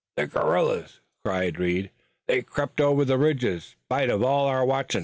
"The gorillers!" cried Reed. "They've crep' over the ridges, spite uv all our watchin'."